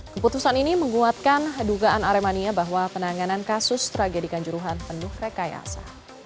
keputusan ini menguatkan dugaan aremania bahwa penanganan kasus tragedi kanjuruhan penuh rekayasa